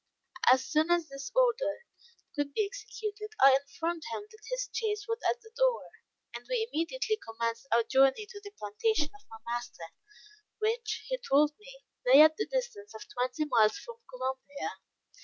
As soon as this order could be executed, I informed him that his chaise was at the door, and we immediately commenced our journey to the plantation of my master, which, he told me, lay at the distance of twenty miles from Columbia.